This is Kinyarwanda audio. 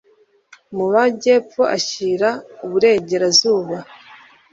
Mu majyepfo ashyira uburengerazuba